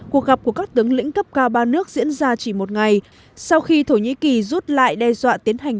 cuộc gặp của các tướng lĩnh cấp cao ba nước diễn ra chỉ một ngày sau khi thổ nhĩ kỳ rút lại đe dọa tiến hành